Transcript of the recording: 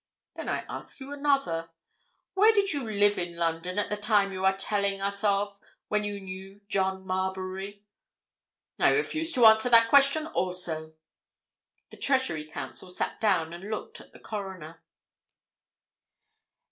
"Then I ask you another. Where did you live in London at the time you are telling us of, when you knew John Marbury?" "I refuse to answer that question also!" The Treasury Counsel sat down and looked at the Coroner.